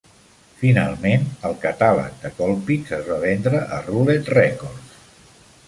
Finalment, el catàleg de Colpix es va vendre a Roulette Records.